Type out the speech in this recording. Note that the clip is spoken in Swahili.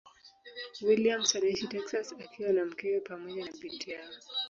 Williams anaishi Texas akiwa na mkewe pamoja na binti yao.